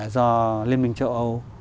do liên minh châu âu